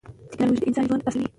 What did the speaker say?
تکنالوژي د انسان ژوند اسانوي.